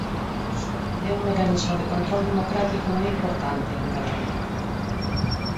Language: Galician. É un mecanismo de control democrático moi importante, engade.